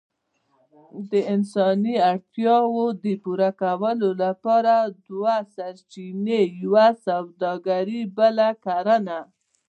د انساني اړتياوو د پوره کولو لپاره دوه سرچينې، يوه سووداګري بله کرنه.